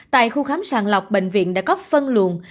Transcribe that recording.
tại khu khám sàng lọc bệnh viện đã có phân luồn